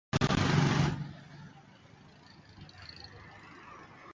zaidi kusikia kwamba wanafanya kila kitu vizuri